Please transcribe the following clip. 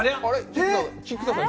菊田さん